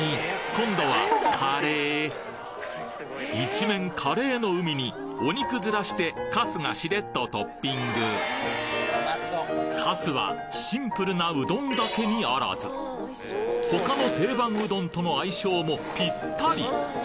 今度は一面カレーの海にお肉ヅラしてかすがしれっとトッピングかすはシンプルなうどんだけにあらず他の定番うどんとの相性もピッタリ！